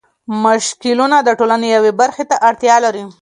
مشکلونه د ټولنې یوې برخې ته اړتيا لري.